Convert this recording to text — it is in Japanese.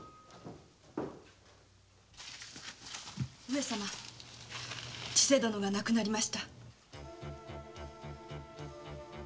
上様千世殿が亡くなりました。